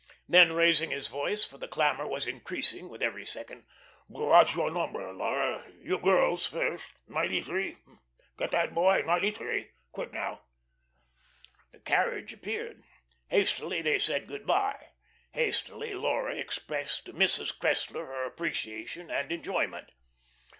Then, raising his voice, for the clamour was increasing with every second: "What's your number, Laura? You girls first. Ninety three? Get that, boy? Ninety three. Quick now." The carriage appeared. Hastily they said good by; hastily Laura expressed to Mrs. Cressler her appreciation and enjoyment.